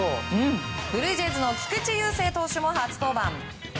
ブルージェイズの菊池雄星投手も初登板。